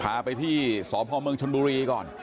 พาไปที่สอปภเมืองชรบุรีก่อนค่ะ